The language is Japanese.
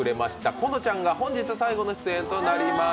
このちゃんが本日、最後の出演となります。